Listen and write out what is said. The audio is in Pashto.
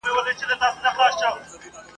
چي یو قند د یار د خولې په هار خرڅیږي ..